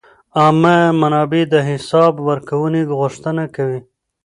عامه منابع د حساب ورکونې غوښتنه کوي.